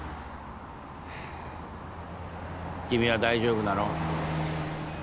君は大丈夫なの？